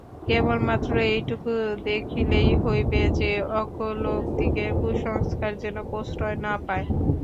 কেবলমাত্র এইটুকু দেখিলেই হইবে যে, অজ্ঞ লোকদিগের কুসংস্কার যেন প্রশ্রয় না পায়।